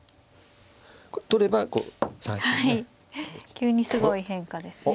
急にすごい変化ですね。